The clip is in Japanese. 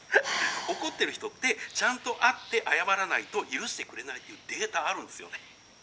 「怒ってる人ってちゃんと会って謝らないと許してくれないっていうデータあるんすよね。